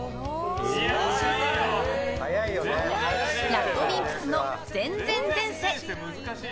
ＲＡＤＷＩＭＰＳの「前前前世」。